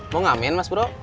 mau ngamen mas bro